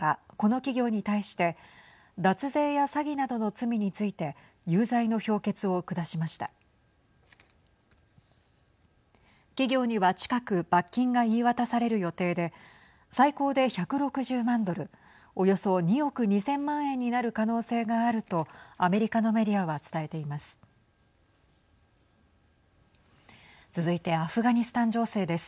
企業には近く罰金が言い渡される予定で最高で１６０万ドルおよそ２億２０００万円になる可能性があるとアメリカのメディアは伝えています。